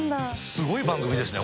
すごい番組ですね